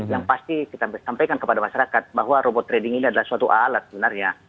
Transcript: yang pasti kita sampaikan kepada masyarakat bahwa robot trading ini adalah suatu alat sebenarnya